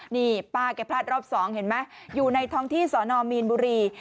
นี่ป้าแกพลาดรอบสองเห็นไหมอยู่ในท้องที่สอนอมีนบุรี